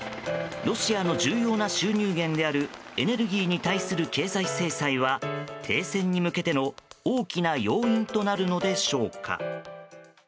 ロシアの重要な収入源であるエネルギーに対する経済制裁は停戦に向けての大きな要因となるのでしょうか。